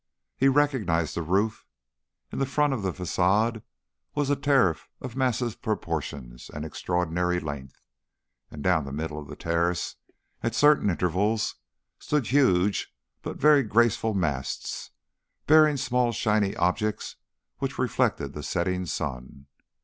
He recognised the roof. In the front of the façade was a terrace of massive proportions and extraordinary length, and down the middle of the terrace, at certain intervals, stood huge but very graceful masts, bearing small shiny objects which reflected the setting sun.